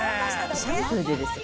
シャンプーでですよ？